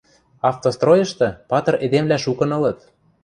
Автостройышты патыр эдемвлӓ шукын ылыт.